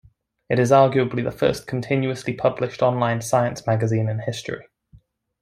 It is arguably the first continuously published online science magazine in history.